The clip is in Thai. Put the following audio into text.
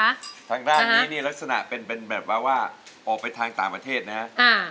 อันนี้ลักษณะเป็นแบบว่าออกไปทางตาประเทศนะฮะ